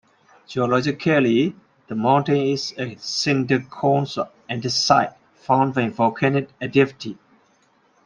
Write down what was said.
Geologically, the mountain is a cinder cone of andesite, formed by volcanic activity.